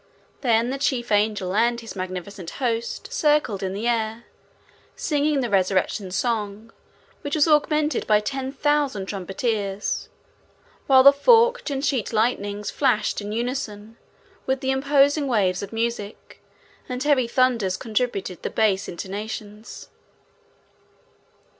Then the chief angel and his magnificent host circled in the air, singing the resurrection song, which was augmented by ten thousand trumpeters, while the forked and sheet lightnings flashed in unison with the imposing waves of music, and heavy thunders contributed the bass intonations.